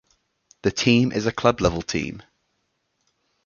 The team is a club level team.